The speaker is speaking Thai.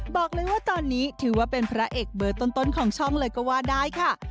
บอกเลยว่าตอนนี้ถือว่าเป็นพระเอกเบอร์ต้นของช่องเลยก็ว่าได้ค่ะ